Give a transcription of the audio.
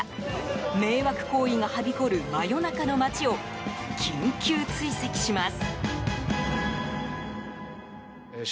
迷惑行為がはびこる真夜中の街を緊急追跡します。